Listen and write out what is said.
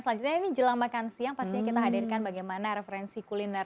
selanjutnya ini jelang makan siang pastinya kita hadirkan bagaimana referensi kuliner